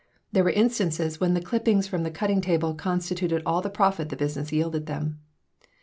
There were instances when the clippings from the cutting table constituted all the profit the business yielded them.